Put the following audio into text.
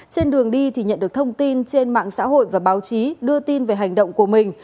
trên đường đi thì nhận được thông tin trên mạng xã hội và báo chí đưa tin về hành động của mình